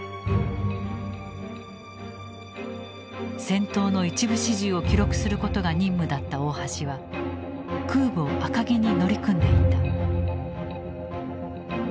戦闘の一部始終を記録することが任務だった大橋は空母赤城に乗り組んでいた。